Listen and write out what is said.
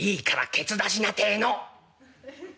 「ケツ出しなてえの？